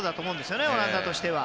オランダとしては。